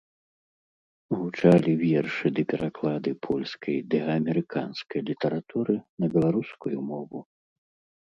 Гучалі вершы ды пераклады польскай ды амерыканскай літаратуры на беларускую мову.